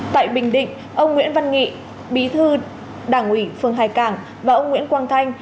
tại bình định ông nguyễn văn nghị bí thư đảng ủy phường hải cảng và ông nguyễn quang thanh